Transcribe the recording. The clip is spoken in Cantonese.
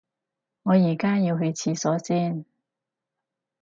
我而家要去廁所先